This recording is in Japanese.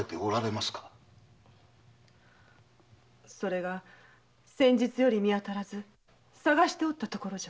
それが先日より見当たらず探しておったところじゃ。